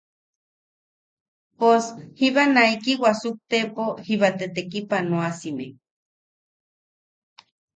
Pos jiba naiki wasuktepo jiba tekipanoasime.